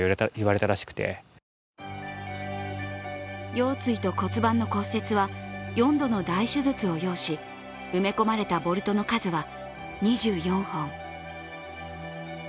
腰椎と骨盤の骨折は４度の大手術を要し埋め込まれたボルトの数は２４本。